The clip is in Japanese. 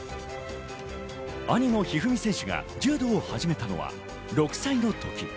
兄の一二三選手が柔道を始めたのは６歳のとき。